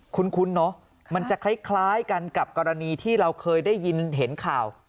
คุ้นเนอะมันจะคล้ายกันกับกรณีที่เราเคยได้ยินเห็นข่าว